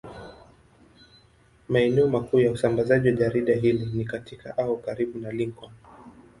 Maeneo makuu ya usambazaji wa jarida hili ni katika au karibu na Lincoln.